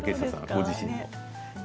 ご自身の。